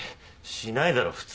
しないだろ普通。